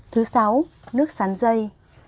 thứ sáu nước sắn dây